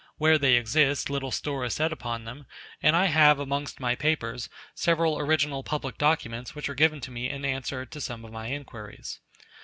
Where they exist, little store is set upon them; and I have amongst my papers several original public documents which were given to me in answer to some of my inquiries.